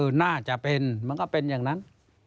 มันก็จะเป็นอย่างนั้น